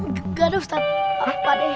gak ada ustadz pak deh